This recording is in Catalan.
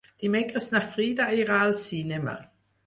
Dimecres na Frida irà al cinema.